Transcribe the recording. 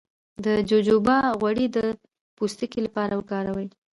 د جوجوبا غوړي د پوستکي لپاره وکاروئ